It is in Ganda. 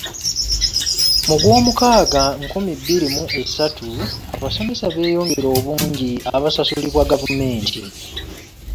Mu Gwomukaaga nkumi bbiri mu esatu, abasomesa beeyongera obungi abasasulibwa gavumenti.